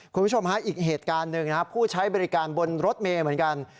คุณผู้ชมฮะอีกเหตุการณ์หนึ่งนะครับผู้ใช้บริการบนรถเมย์เหมือนกัน